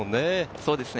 そうですね。